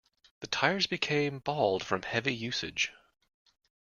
The tires became bald from heavy usage.